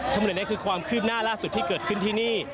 ทั้งหมดนี้คือความคืบหน้าล่าสุดที่เกิดขึ้นที่นี่